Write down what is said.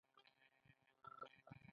له علي سره یې ځان شریک کړ،